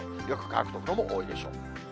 よく乾く所も多いでしょう。